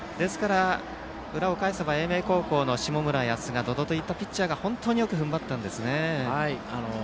裏を返せば英明高校の下村や寿賀百々といったピッチャーが本当によく踏ん張ったんですね。